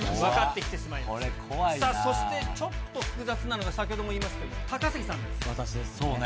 そしてちょっと複雑なのが、先ほども言いましたけれども、私です、そうね。